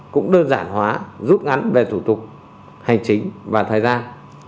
cũng đơn giản hóa rút ngắn về thủ tục hành chính và thời gian